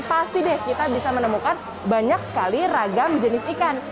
pasti deh kita bisa menemukan banyak sekali ragam jenis ikan